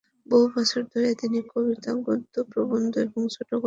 বহু বছর ধরে তিনি কবিতা, গদ্য, প্রবন্ধ এবং ছোট গল্প লিখেছেন।